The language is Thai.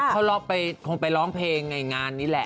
เขาคงไปร้องเพลงในงานนี้แหละ